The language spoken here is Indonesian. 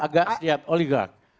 agak setia oligark